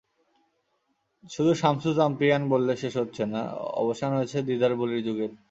শুধু শামসু চ্যাম্পিয়ন বললে শেষ হচ্ছে না, অবসান হয়েছে দিদার বলীর যুগের।